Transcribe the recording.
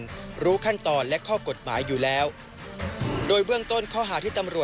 จอบประเด็นจากรายงานของคุณศักดิ์สิทธิ์บุญรัฐครับ